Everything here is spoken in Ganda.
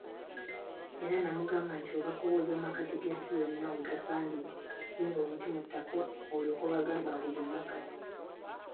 Era n'amugamba nti, we bakubuuza amakkati g'ensi yonna wegasangibwa, simba omuti mu ttaka olyoke obagambe ago ge makkati.